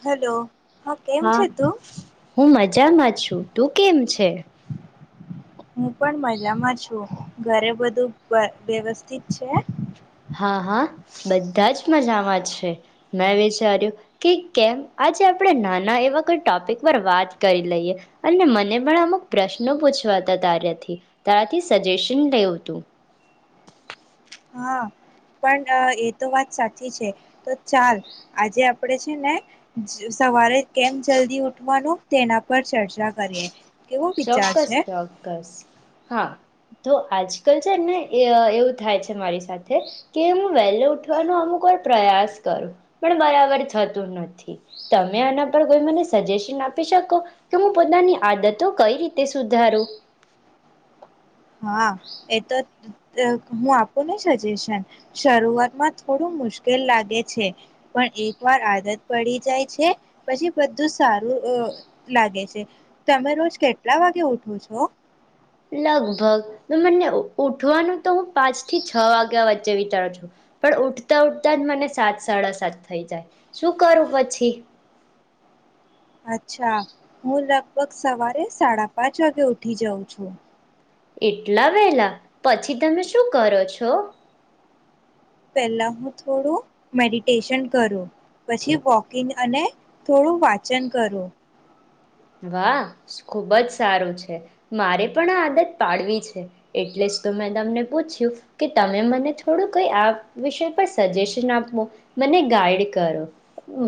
Hello હા કેમ છે તું. હું મજામાં છું તું કેમ છે. હું પણ મજામાં છું ઘરે બધું વ્યવસ્થિત છે. હા હા બધા જ મજા. હ છે મેં વિચાર્યું કે કેમ આજે આપણે નાના એવા કોઈ ટોપિક પર વાત કરી લઈએ અને મને પણ અમુક પ્રશ્નો પૂછવાતા તારથી તારાથી સજેશન લેવું તું. હા પણ એ તો વાત સાચી છે તો ચાલ આજે આપણેે છે ને સવારે કેમ જલ્દી ઉઠવાનું તેના પર ચર્ચા કરીએ. કેવો વિચાર ચોક્કસ છે ચોક્કસ હા. તો આજકાલ છે ને ને એવું થાય છે મારી સાથે કે હું વહેલો ઉઠવાનો અમુક વા પ્રયાસ કરું પણ બરાબર થતું નથી તમે આના પર કોઈ મને સજેશન આપી શકો કે હું પોતાની આદત. તોું કઈ રીતે સુધારું. હા એ તો હું આપું ને સજેશન શરૂઆતમાં થોડું મુશ્કેલ લાગે છે પણ એક વાર આદત પડી જાય છે પછી બધું સારું લાગે છે તમે રોજ કેટલા વાગે ઉઠો છો. લગભગ તો મને ઉઠવાનું તો હું પાંચ થી છ વાગ્યા વચ્ચે વિચારું છું પણ ઉઠતા ઉઠતા જ મને સાત સાડા સાત થઈ જાય શું કરું પછી. અચ્છા હું લગભગ સવારે સાડા પાંચ વાગે ઉઠી જાઉં છું. એટલા વેલા પછી તમે શું કરો છો. પહેલા હું થોડું મેડિટેશન કરું પછી વોકિંગ અને થોડું વાચન કરું. વાહ ખુબ જ સારું છે મારે પણ આ આદત પાડવી છે એટલે જ તો મેં તમને પૂછ્યું કે તમે મને થોડું કઈ આ વિષય પર સજેશન આપો મને ગાઈડ કરો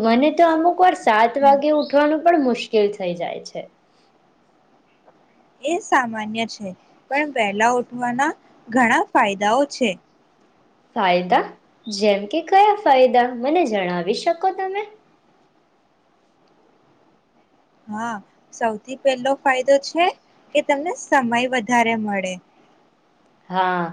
મને તો અમુક વાર સાત હમ, વાગે ઉઠવાનું પણ મુશ્કેલ થ. થઈ જાય છે. એ સામાન્ય છે. પણ પહેલા. ના ઘણા ફાયદાઓ છે. ફાયદા જેમ કે કયા ફાયદા મને જણાવી શકો તમે. હા સૌથી પહેલો ફાયદો છે કે તમને સમય વધારે મળે. હા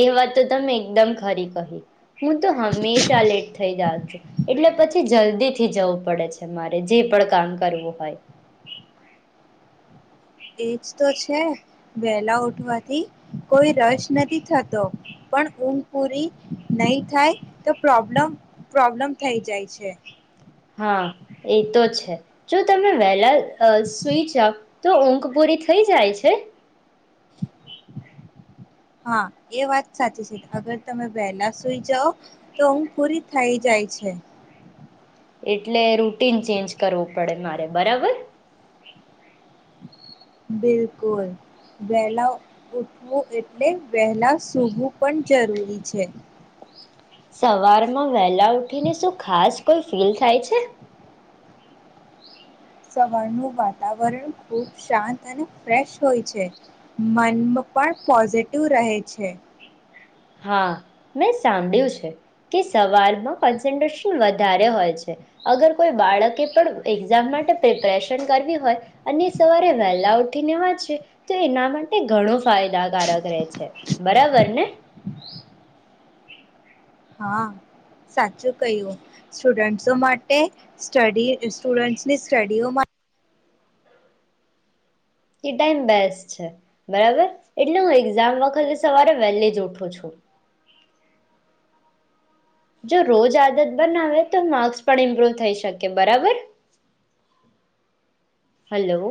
એ વાત તો તમે એકદમ ખરી કહી હું તો હંમેશા લેટ થઈ જાઉં છું એટલે પછી જલ્દી થી જવું પડે છે મારે જે પણ કામ કરવું હોય. એજ તો છે વહેલા ઉઠવાથી કોઈ રસ નથી થતો પણ ઊંઘ પૂરી નહી થાય તો પ્રોબ્લમ પ્રોબ્લમ થઈ જાય છે. હા એ તો છે જો તમે વહેલા સુઈ જઓ તો ઊંઘ પૂરી થઈ જાય છે. હા એ વાત સાચી છે અગર તમે વહેલા સુઈ જાઓ તો ઊંઘ પૂરી થઇ જાય છે. એટલે રૂટીન ચેન્જ કરવું પડે મારે બરાબર. બિલકુલ વહેલા ઉઠવું એટલે વહેલા સૂવું પણ જરૂરી છે. સવારમાં વેલા ઉઠીને શું ખાસ કોઈ ફીલ થાય છે. વાતાવરણ ખૂબ શાંત અને ફેશ હોય છે મન પણ પોઝિટિવ રહે છે. હા મેં સાંભળ્યું છે કે સવારમાં કોન્સન્ટ્રેશન વધારે હોય છે અગર કોઈ બાળકે પણ એક્ઝામ માટે પ્રિપરેશન કરવી હોય અને સવારે વહેલા ઉઠીને વા છે તો એના માટે ઘણું ફાયદાકારક રહે છે બરાબર ને. હા, સાચું કહ્યું સ્ટુડન્ટ્સ માટે સ્ટડી સ્ટુડન્ટ્સની સ્ટડીઓમાં એ ટાઈમ બેસ્ટ છે. બરાબર એટલે હું એક્ઝામ વખતે સવારે વહેલે જ ઉઠું છું. જો રોજ આદત બનાવે તો માર્ક્સ પણ ઇમ્પ્રુવ થઈ શકે બરાબર? હલો.